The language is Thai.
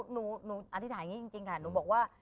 หนูอธิษฐานี้จริงค่ะหนูบอกว่า